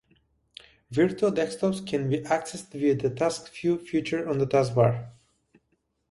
Virtual desktops can be accessed via the Task View feature on the Taskbar.